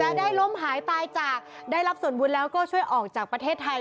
และได้ล้มหายตายจากได้รับส่วนบุญแล้วก็ช่วยออกจากประเทศไทย